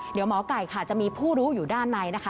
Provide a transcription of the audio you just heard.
เดี๋ยวหมอไก่ค่ะจะมีผู้รู้อยู่ด้านในนะคะ